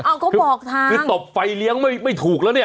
เอาก็บอกทางคือตบไฟเลี้ยงไม่ไม่ถูกแล้วเนี่ย